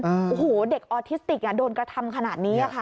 โอ้โหเด็กออทิสติกโดนกระทำขนาดนี้ค่ะ